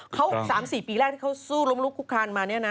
เขา๓๔ปีแรกที่เขาสู้ล้มลุกคุกคานมาเนี่ยนะ